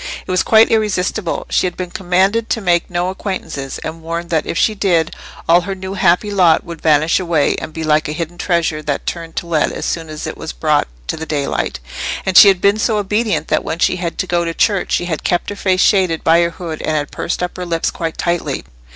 It was quite irresistible. She had been commanded to make no acquaintances, and warned that if she did, all her new happy lot would vanish away, and be like a hidden treasure that turned to lead as soon as it was brought to the daylight; and she had been so obedient that when she had to go to church she had kept her face shaded by her hood and had pursed up her lips quite tightly.